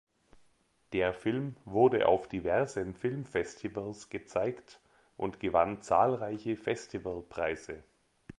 Der Film wurde auf diversen Filmfestivals gezeigt und gewann zahlreiche Festivalpreise.